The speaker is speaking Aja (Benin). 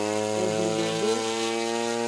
Eglidodo.